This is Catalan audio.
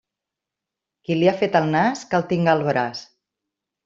Qui li ha fet el nas, que el tinga al braç.